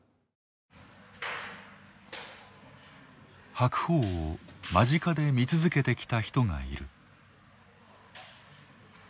白鵬を間近で見続けてきた人がいる。